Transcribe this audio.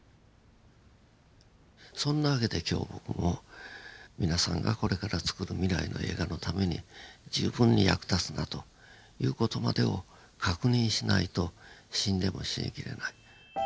そんなわけで今日僕も皆さんがこれからつくる未来の映画のために十分に役立つなという事までを確認しないと死んでも死にきれない。